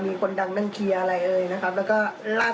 มีคนดังนั่งเคลียร์อะไรอย่างไรนะครับ